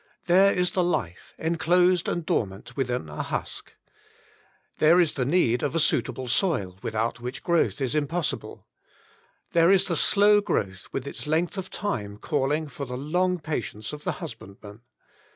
There is the life, enclosed and dormant within a husk. There is the need of a suitable soil, without which growth is impossible. There is the slow growth with its length of time calling for the long patience of the husbandman.